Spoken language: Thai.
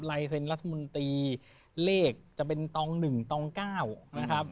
ลายเซ็นรัฐมนตรีเลขจะเป็นตอง๑ตอง๙นะครับ